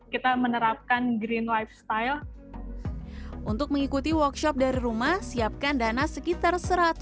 kita menerapkan green lifestyle untuk mengikuti workshop dari rumah siapkan dana sekitar satu ratus lima puluh